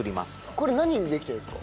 これ何でできてるんですか？